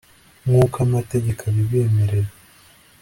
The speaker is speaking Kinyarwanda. nk'uko amategeko abibemerera